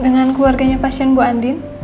dengan keluarganya pasien bu andin